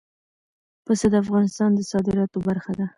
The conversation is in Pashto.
پسه د افغانستان د صادراتو برخه ده.